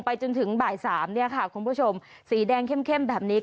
จนถึงบ่ายสามเนี่ยค่ะคุณผู้ชมสีแดงเข้มแบบนี้